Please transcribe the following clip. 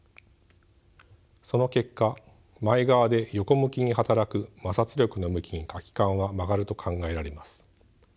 その結果前側で横向きに働く摩擦力の向きに空き缶は曲がると考えられます。